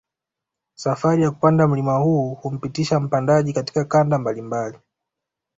Safari ya kupanda mlima huu humpitisha mpandaji katika kanda mbalimbali